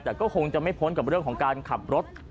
แต่ก็คงจะไม่พ้นกับเรื่องของการขับรถ